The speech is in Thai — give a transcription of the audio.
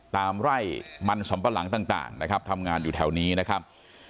ไร่มันสำปะหลังต่างนะครับทำงานอยู่แถวนี้นะครับ